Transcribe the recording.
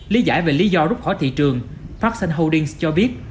lý giải về lý do rút khỏi thị trường fassion holdings cho biết